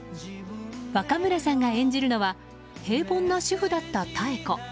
若村さんが演じるのは平凡な主婦だった妙子。